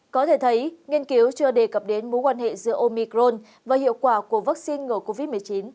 có thể thấy nghiên cứu chưa đề cập đến mối quan hệ giữa omicron và hiệu quả của vaccine ngừa covid một mươi chín